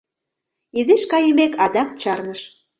Изиш кайымек, адак чарныш.